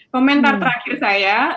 komentar terakhir saya